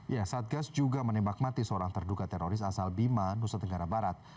ya satgas juga menembak mati seorang terduga teroris asal bima nusa tenggara barat